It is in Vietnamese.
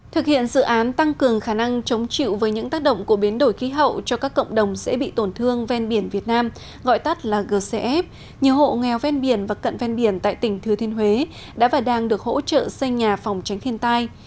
thực hiện dự án tăng cường khả năng chống chịu với những tác động của biến đổi khí hậu cho các cộng đồng sẽ bị tổn thương ven biển việt nam gọi tắt là gcf nhiều hộ nghèo ven biển và cận ven biển tại tỉnh thừa thiên huế đã và đang được hỗ trợ xây nhà phòng tránh thiên tai